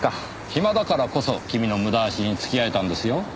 暇だからこそ君の無駄足に付き合えたんですよ。